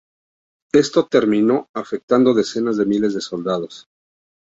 Esto terminó afectando decenas de miles de soldados.